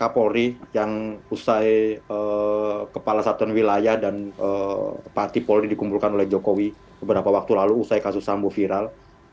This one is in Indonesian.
kapolri yang usai kepala satuan wilayah dan pati polri dikumpulkan oleh jokowi beberapa waktu lalu usai kasus sambo viral